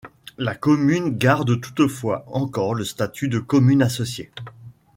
La commune garde toutefois encore le statut de commune associée.